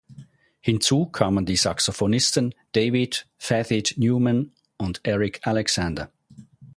Hinzu kamen die Saxophonisten David Fathead Newman und Eric Alexander.